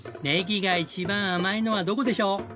ねぎが一番甘いのはどこでしょう？